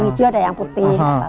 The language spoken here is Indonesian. ija ada yang putih